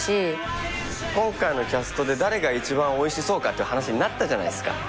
今回のキャストで誰が一番おいしそうかっていう話になったじゃないっすか。